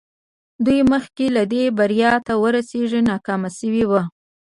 دوی مخکې له دې چې بريا ته ورسېږي ناکام شوي وو.